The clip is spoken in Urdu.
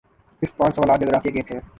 صرف پانچ سوالات جغرافیے کے تھے